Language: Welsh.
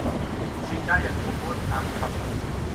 Trigai yng nghwmwd Nant Conwy.